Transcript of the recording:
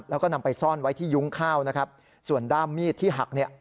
แล้วก็นำไปซ่อนไว้ที่ยุ้งข้าวนะครับส่วนด้ามมีดที่หักเนี่ย